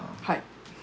はい。